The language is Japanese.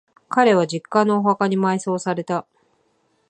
彼は、実家のお墓に埋葬された。